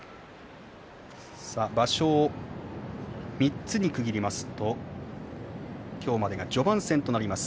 場所を３つに区切りますと今日までが序盤戦となります。